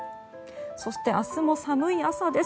そして、明日も寒い朝です。